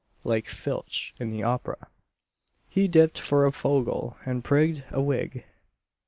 Like Filch in the opera he dipp'd for a fogle and prigg'd a wig!